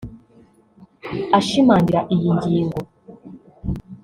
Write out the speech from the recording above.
Ashimangira iyi ngingo